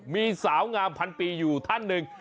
มีสาวงามพันปีอยู่ท่านหนึ่ง